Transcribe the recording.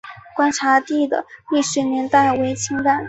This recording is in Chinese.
观察第的历史年代为清代。